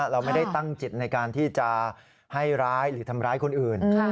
เราไม่ได้ตั้งจิตในการที่จะให้ร้ายหรือทำร้ายคนอื่น